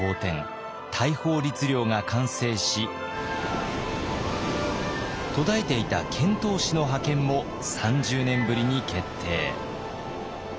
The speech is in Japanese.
大宝律令が完成し途絶えていた遣唐使の派遣も３０年ぶりに決定。